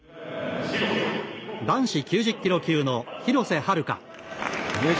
男子９０キロ級の廣瀬悠。